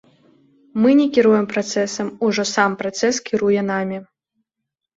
Не мы кіруе працэсам, ужо сам працэс кіруе намі.